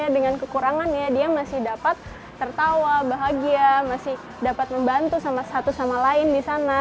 dengan kekurangannya dia masih dapat tertawa bahagia masih dapat membantu sama satu sama lain di sana